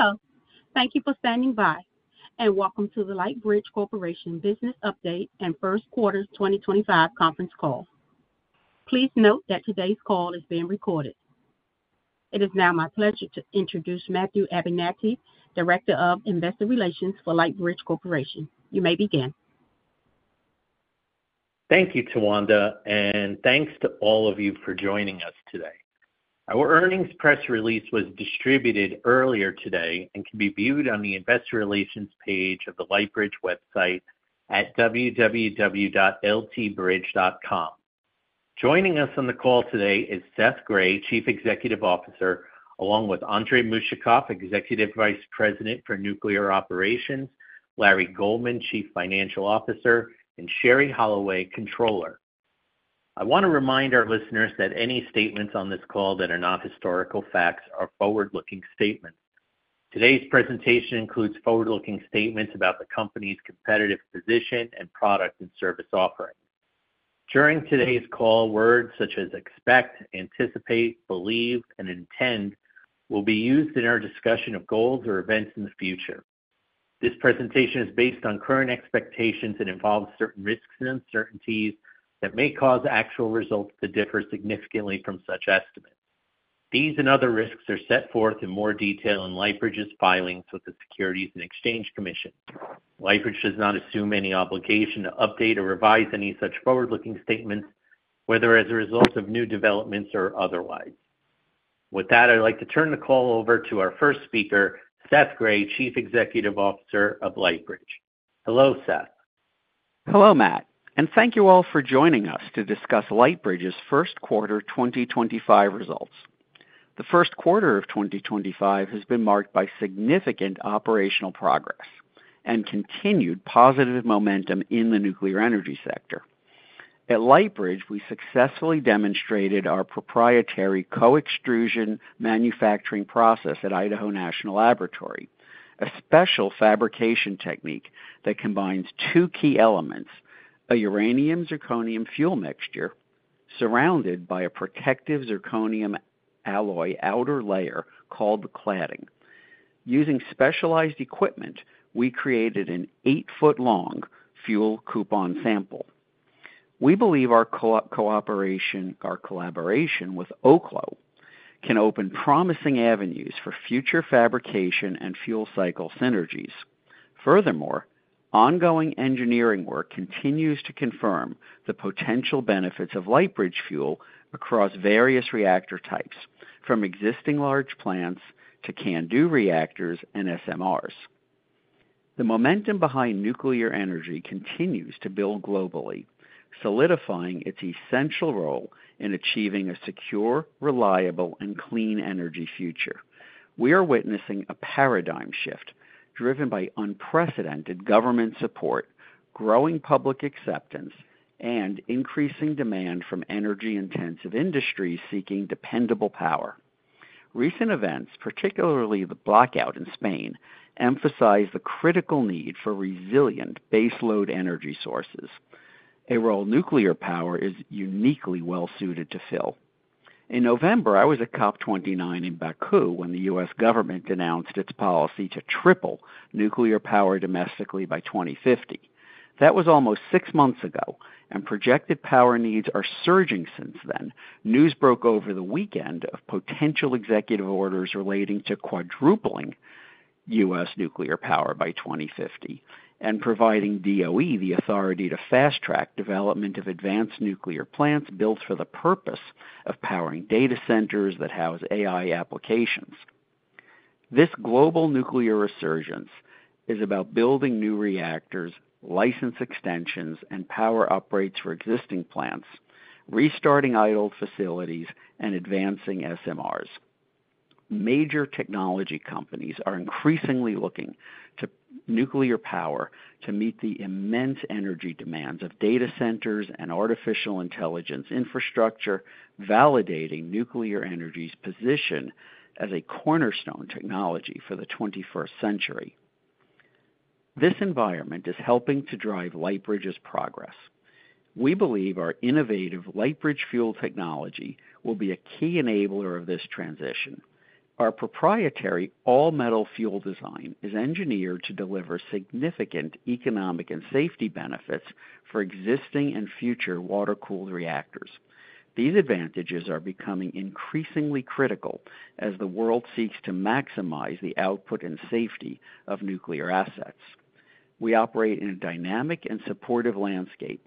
Hello. Thank you for standing by and welcome to the Lightbridge Corporation Business Update and First Quarter 2025 conference call. Please note that today's call is being recorded. It is now my pleasure to introduce Matthew Abenante, Director of Investor Relations for Lightbridge Corporation. You may begin. Thank you, Tawanda, and thanks to all of you for joining us today. Our earnings press release was distributed earlier today and can be viewed on the Investor Relations page of the Lightbridge website at www.ltbridge.com. Joining us on the call today is Seth Grae, Chief Executive Officer, along with Andrey Mushakov, Executive Vice President for Nuclear Operations; Larry Goldman, Chief Financial Officer; and Sherrie Holloway, Controller. I want to remind our listeners that any statements on this call that are not historical facts are forward-looking statements. Today's presentation includes forward-looking statements about the company's competitive position and product and service offering. During today's call, words such as expect, anticipate, believe, and intend will be used in our discussion of goals or events in the future. This presentation is based on current expectations and involves certain risks and uncertainties that may cause actual results to differ significantly from such estimates. These and other risks are set forth in more detail in Lightbridge's filings with the Securities and Exchange Commission. Lightbridge does not assume any obligation to update or revise any such forward-looking statements, whether as a result of new developments or otherwise. With that, I'd like to turn the call over to our first speaker, Seth Grae, Chief Executive Officer of Lightbridge. Hello, Seth. Hello, Matt, and thank you all for joining us to discuss Lightbridge's first quarter 2025 results. The first quarter of 2025 has been marked by significant operational progress and continued positive momentum in the nuclear energy sector. At Lightbridge, we successfully demonstrated our proprietary co-extrusion manufacturing process at Idaho National Laboratory, a special fabrication technique that combines two key elements: a uranium-zirconium fuel mixture surrounded by a protective zirconium alloy outer layer called the Cladding. Using specialized equipment, we created an eight-foot-long fuel coupon sample. We believe our cooperation with Oklo can open promising avenues for future fabrication and fuel cycle synergies. Furthermore, ongoing engineering work continues to confirm the potential benefits of Lightbridge Fuel across various reactor types, from existing large plants to CANDU reactors and SMRs. The momentum behind nuclear energy continues to build globally, solidifying its essential role in achieving a secure, reliable, and clean energy future. We are witnessing a paradigm shift driven by unprecedented government support, growing public acceptance, and increasing demand from energy-intensive industries seeking dependable power. Recent events, particularly the blackout in Spain, emphasize the critical need for resilient baseload energy sources, a role nuclear power is uniquely well-suited to fill. In November, I was at COP29 in Baku when the U.S. government announced its policy to triple nuclear power domestically by 2050. That was almost six months ago, and projected power needs are surging since then. News broke over the weekend of potential executive orders relating to quadrupling U.S. nuclear power by 2050 and providing DOE the authority to fast-track development of advanced nuclear plants built for the purpose of powering data centers that house AI applications. This global nuclear resurgence is about building new reactors, license extensions, and power uprates for existing plants, restarting idle facilities, and advancing SMRs. Major technology companies are increasingly looking to nuclear power to meet the immense energy demands of data centers and artificial intelligence infrastructure, validating nuclear energy's position as a cornerstone technology for the 21st century. This environment is helping to drive Lightbridge's progress. We believe our innovative Lightbridge Fuel technology will be a key enabler of this transition. Our proprietary all-metal fuel design is engineered to deliver significant economic and safety benefits for existing and future water-cooled reactors. These advantages are becoming increasingly critical as the world seeks to maximize the output and safety of nuclear assets. We operate in a dynamic and supportive landscape,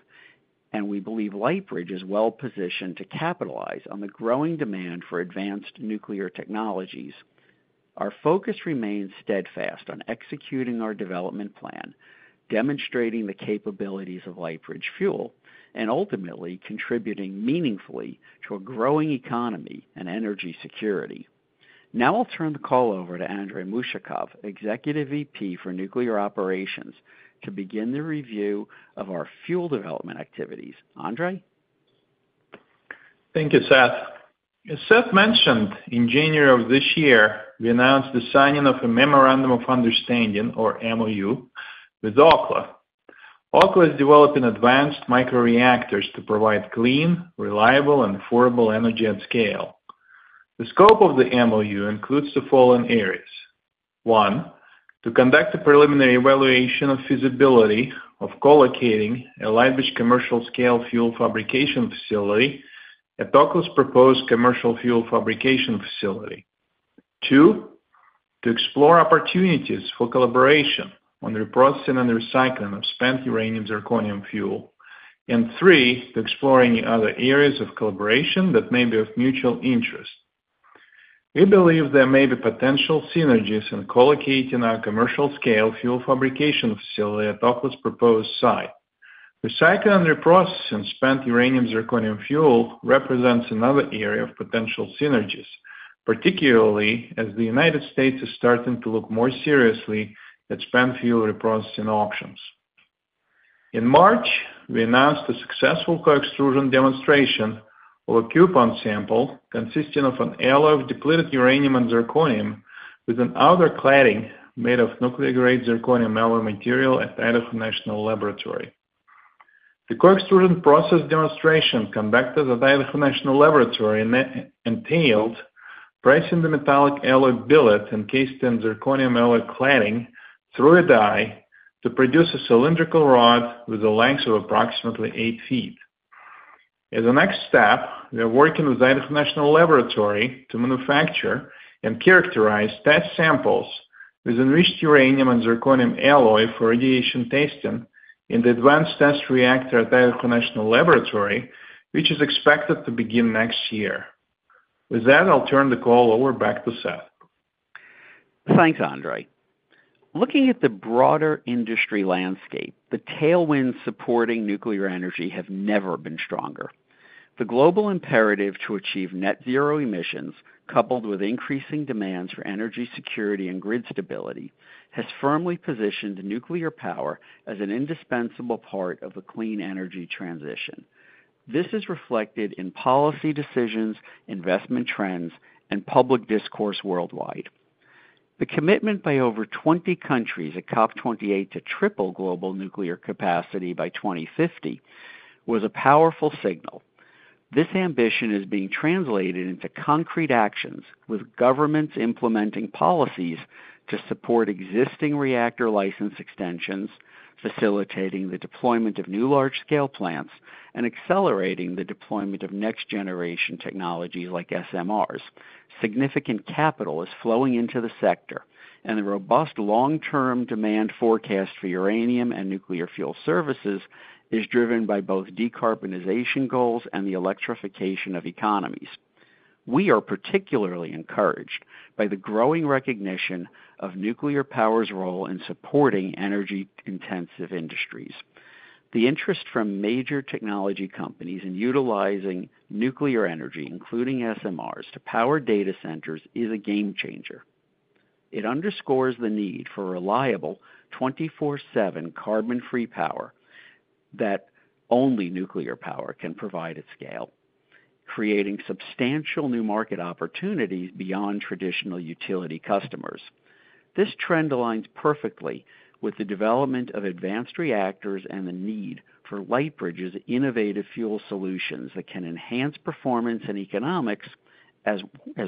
and we believe Lightbridge is well-positioned to capitalize on the growing demand for advanced nuclear technologies. Our focus remains steadfast on executing our development plan, demonstrating the capabilities of Lightbridge Fuel, and ultimately contributing meaningfully to a growing economy and energy security. Now I'll turn the call over to Andrey Mushakov, Executive Vice President for Nuclear Operations, to begin the review of our fuel development activities. Andrey? Thank you, Seth. As Seth mentioned, in January of this year, we announced the signing of a Memorandum of Understanding, or MOU, with Oklo. Oklo is developing advanced micro-reactors to provide clean, reliable, and affordable energy at scale. The scope of the MOU includes the following areas: one, to conduct a preliminary evaluation of feasibility of co-locating a Lightbridge commercial-scale fuel fabrication facility at Oklo's proposed commercial fuel fabrication facility; two, to explore opportunities for collaboration on reprocessing and recycling of spent uranium-zirconium fuel; and three, to explore any other areas of collaboration that may be of mutual interest. We believe there may be potential synergies in co-locating our commercial-scale fuel fabrication facility at Oklo's proposed site. Recycling and reprocessing spent uranium-zirconium fuel represents another area of potential synergies, particularly as the United States is starting to look more seriously at spent fuel reprocessing options. In March, we announced a successful co-extrusion demonstration of a coupon sample consisting of an alloy of depleted uranium and zirconium with an outer cladding made of nuclear-grade zirconium alloy material at Idaho National Laboratory. The co-extrusion process demonstration conducted at Idaho National Laboratory entailed pressing the metallic alloy billet encased in zirconium alloy cladding through a die to produce a cylindrical rod with a length of approximately 8 ft. As a next step, we are working with Idaho National Laboratory to manufacture and characterize test samples with enriched uranium and zirconium alloy for radiation testing in the Advanced Test Reactor at Idaho National Laboratory, which is expected to begin next year. With that, I'll turn the call over back to Seth. Thanks, Andrey. Looking at the broader industry landscape, the tailwinds supporting nuclear energy have never been stronger. The global imperative to achieve net-zero emissions, coupled with increasing demands for energy security and grid stability, has firmly positioned nuclear power as an indispensable part of the clean energy transition. This is reflected in policy decisions, investment trends, and public discourse worldwide. The commitment by over 20 countries at COP28 to triple global nuclear capacity by 2050 was a powerful signal. This ambition is being translated into concrete actions, with governments implementing policies to support existing reactor license extensions, facilitating the deployment of new large-scale plants, and accelerating the deployment of next-generation technologies like SMRs. Significant capital is flowing into the sector, and the robust long-term demand forecast for uranium and nuclear fuel services is driven by both decarbonization goals and the electrification of economies. We are particularly encouraged by the growing recognition of nuclear power's role in supporting energy-intensive industries. The interest from major technology companies in utilizing nuclear energy, including SMRs, to power data centers is a game changer. It underscores the need for reliable, 24/7 carbon-free power that only nuclear power can provide at scale, creating substantial new market opportunities beyond traditional utility customers. This trend aligns perfectly with the development of advanced reactors and the need for Lightbridge's innovative fuel solutions that can enhance performance and economics as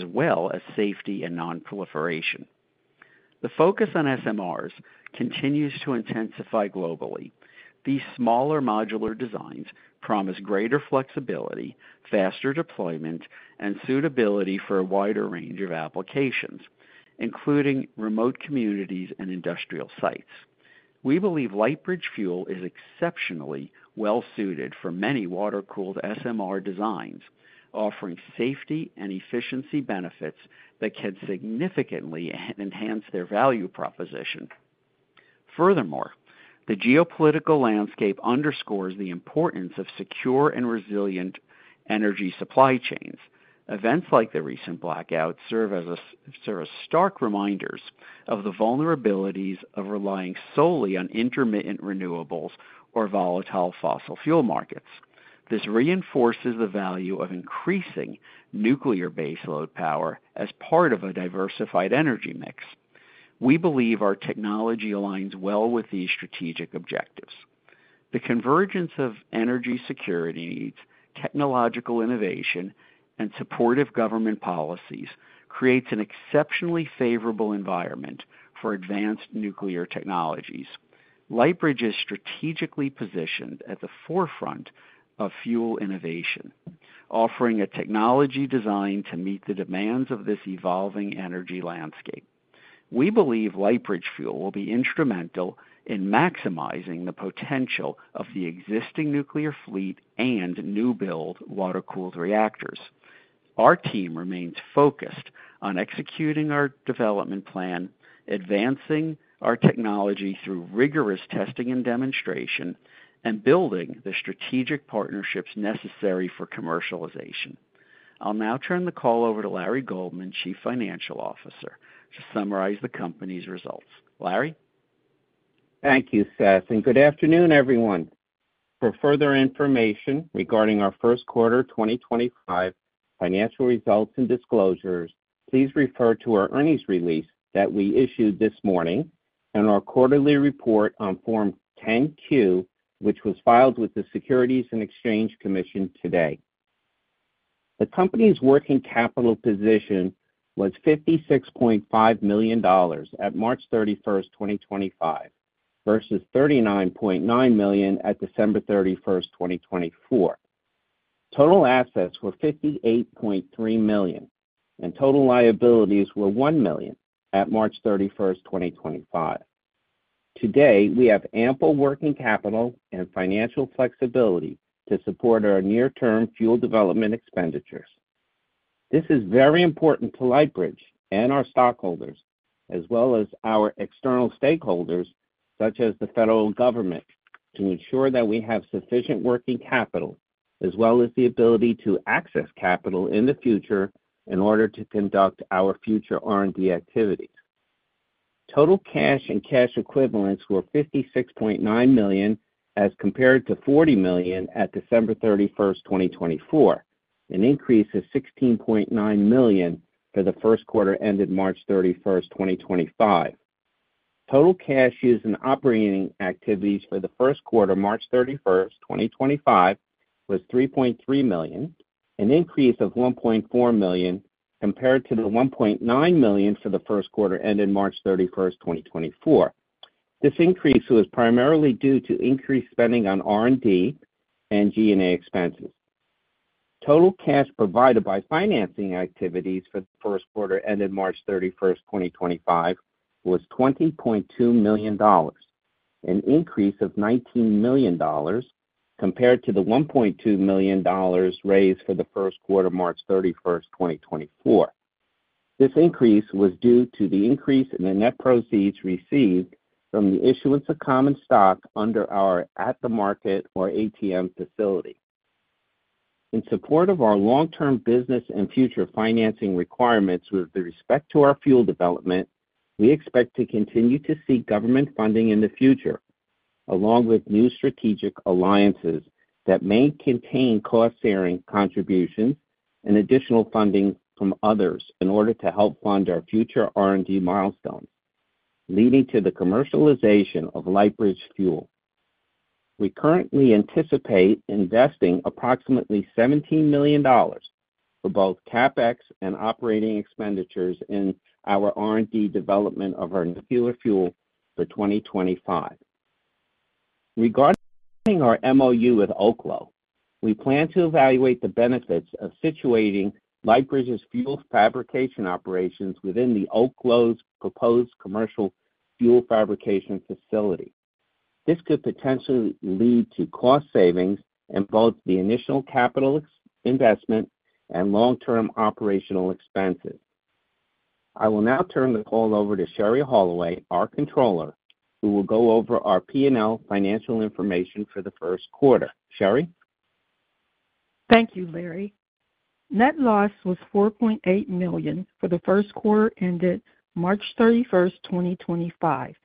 well as safety and non-proliferation. The focus on SMRs continues to intensify globally. These smaller modular designs promise greater flexibility, faster deployment, and suitability for a wider range of applications, including remote communities and industrial sites. We believe Lightbridge Fuel is exceptionally well-suited for many water-cooled SMR designs, offering safety and efficiency benefits that can significantly enhance their value proposition. Furthermore, the geopolitical landscape underscores the importance of secure and resilient energy supply chains. Events like the recent blackout serve as stark reminders of the vulnerabilities of relying solely on intermittent renewables or volatile fossil fuel markets. This reinforces the value of increasing nuclear baseload power as part of a diversified energy mix. We believe our technology aligns well with these strategic objectives. The convergence of energy security needs, technological innovation, and supportive government policies creates an exceptionally favorable environment for advanced nuclear technologies. Lightbridge is strategically positioned at the forefront of fuel innovation, offering a technology design to meet the demands of this evolving energy landscape. We believe Lightbridge Fuel will be instrumental in maximizing the potential of the existing nuclear fleet and new-build water-cooled reactors. Our team remains focused on executing our development plan, advancing our technology through rigorous testing and demonstration, and building the strategic partnerships necessary for commercialization. I'll now turn the call over to Larry Goldman, Chief Financial Officer, to summarize the company's results. Larry? Thank you, Seth, and good afternoon, everyone. For further information regarding our first quarter 2025 financial results and disclosures, please refer to our earnings release that we issued this morning and our quarterly report on Form 10-Q, which was filed with the Securities and Exchange Commission today. The company's working capital position was $56.5 million at March 31, 2025, versus $39.9 million at December 31, 2024. Total assets were $58.3 million, and total liabilities were $1 million at March 31, 2025. Today, we have ample working capital and financial flexibility to support our near-term fuel development expenditures. This is very important to Lightbridge and our stockholders, as well as our external stakeholders, such as the federal government, to ensure that we have sufficient working capital, as well as the ability to access capital in the future in order to conduct our future R&D activities. Total cash and cash equivalents were $56.9 million as compared to $40 million at December 31, 2024, an increase of $16.9 million for the first quarter ended March 31, 2025. Total cash used in operating activities for the first quarter March 31, 2025, was $3.3 million, an increase of $1.4 million compared to the $1.9 million for the first quarter ended March 31, 2024. This increase was primarily due to increased spending on R&D and G&A expenses. Total cash provided by financing activities for the first quarter ended March 31, 2025, was $20.2 million, an increase of $19 million compared to the $1.2 million raised for the first quarter March 31, 2024. This increase was due to the increase in the net proceeds received from the issuance of common stock under our at-the-market or ATM facility. In support of our long-term business and future financing requirements with respect to our fuel development, we expect to continue to seek government funding in the future, along with new strategic alliances that may contain cost-sharing contributions and additional funding from others in order to help fund our future R&D milestones, leading to the commercialization of Lightbridge Fuel. We currently anticipate investing approximately $17 million for both CapEx and operating expenditures in our R&D development of our nuclear fuel for 2025. Regarding our MOU with Oklo, we plan to evaluate the benefits of situating Lightbridge's fuel fabrication operations within Oklo's proposed commercial fuel fabrication facility. This could potentially lead to cost savings in both the initial capital investment and long-term operational expenses. I will now turn the call over to Sherrie Holloway, our Controller, who will go over our P&L financial information for the first quarter. Sherrie? Thank you, Larry. Net loss was $4.8 million for the first quarter ended March 31, 2025,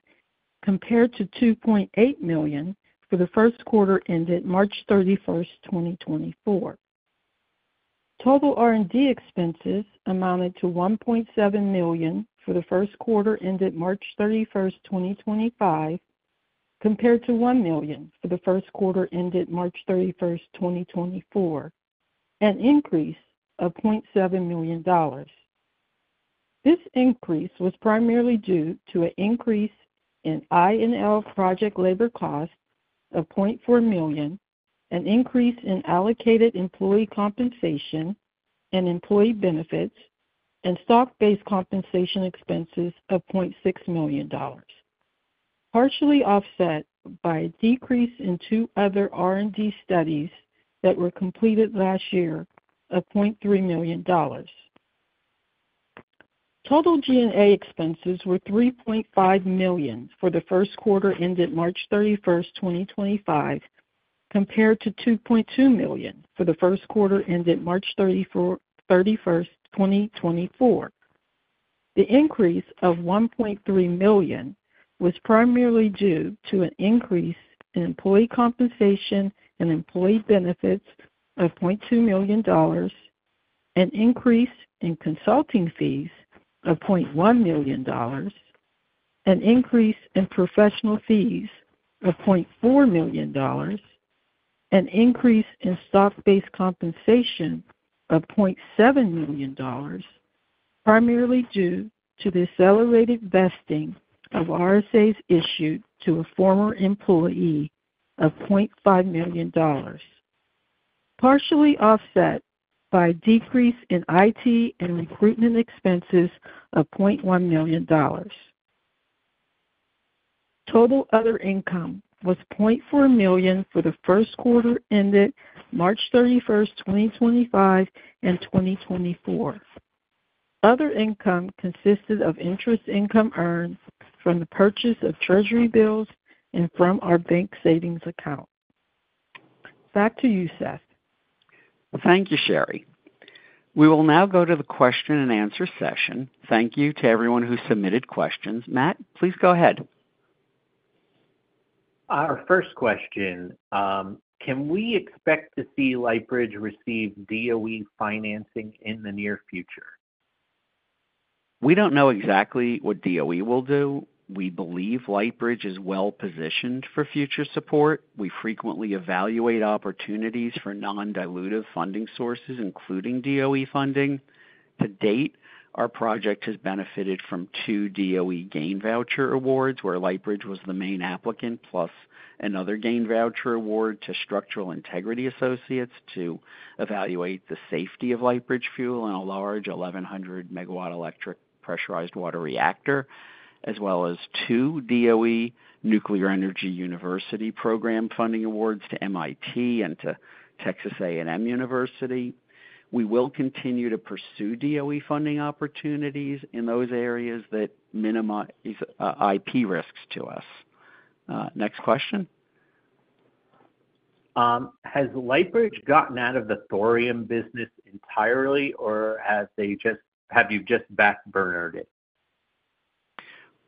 compared to $2.8 million for the first quarter ended March 31, 2024. Total R&D expenses amounted to $1.7 million for the first quarter ended March 31, 2025, compared to $1 million for the first quarter ended March 31, 2024, an increase of $0.7 million. This increase was primarily due to an increase in INL project labor costs of $0.4 million, an increase in allocated employee compensation and employee benefits, and stock-based compensation expenses of $0.6 million, partially offset by a decrease in two other R&D studies that were completed last year of $0.3 million. Total G&A expenses were $3.5 million for the first quarter ended March 31, 2025, compared to $2.2 million for the first quarter ended March 31, 2024. The increase of $1.3 million was primarily due to an increase in employee compensation and employee benefits of $0.2 million, an increase in consulting fees of $0.1 million, an increase in professional fees of $0.4 million, an increase in stock-based compensation of $0.7 million, primarily due to the accelerated vesting of RSAs issued to a former employee of $0.5 million, partially offset by a decrease in IT and recruitment expenses of $0.1 million. Total other income was $0.4 million for the first quarter ended March 31, 2025, and 2024. Other income consisted of interest income earned from the purchase of treasury bills and from our bank savings account. Back to you, Seth. Thank you, Sherrie. We will now go to the question-and-answer session. Thank you to everyone who submitted questions. Matt, please go ahead. Our first question: Can we expect to see Lightbridge receive DOE financing in the near future? We don't know exactly what DOE will do. We believe Lightbridge is well-positioned for future support. We frequently evaluate opportunities for non-dilutive funding sources, including DOE funding. To date, our project has benefited from two DOE GAIN voucher awards, where Lightbridge was the main applicant, plus another GAIN voucher award to Structural Integrity Associates to evaluate the safety of Lightbridge Fuel in a large 1,100-megawatt electric pressurized water reactor, as well as two DOE Nuclear Energy University program funding awards to MIT and to Texas A&M University. We will continue to pursue DOE funding opportunities in those areas that minimize IP risks to us. Next question? Has Lightbridge gotten out of the thorium business entirely, or have you just backburnered it?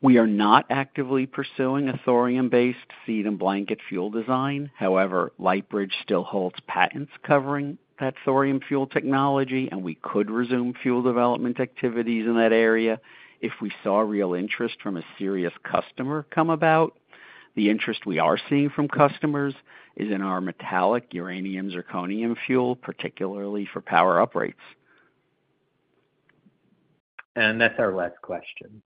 We are not actively pursuing a thorium-based seed and blanket fuel design. However, Lightbridge still holds patents covering that thorium fuel technology, and we could resume fuel development activities in that area if we saw real interest from a serious customer come about. The interest we are seeing from customers is in our metallic uranium-zirconium fuel, particularly for power uprates. That's our last question.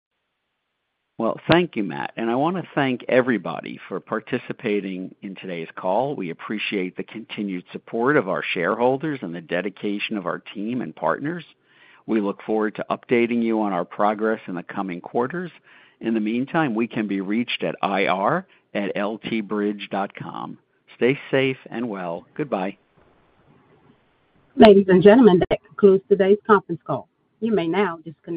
Thank you, Matt. I want to thank everybody for participating in today's call. We appreciate the continued support of our shareholders and the dedication of our team and partners. We look forward to updating you on our progress in the coming quarters. In the meantime, we can be reached at ir@ltbridge.com. Stay safe and well. Goodbye. Ladies and gentlemen, that concludes today's conference call. You may now disconnect.